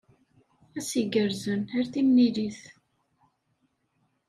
Ass igerrzen. Ar timlilit.